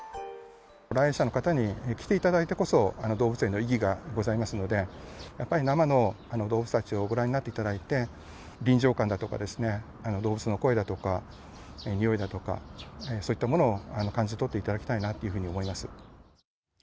来園者の方に来ていただいてこそ、動物園の意義がございますので、やっぱり生の動物たちをご覧になっていただいて、臨場感だとか、動物の声だとか、匂いだとか、そういったものを感じ取っていただきたいなというふうに思います。